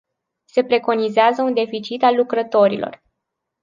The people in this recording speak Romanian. Se preconizează un deficit al lucrătorilor.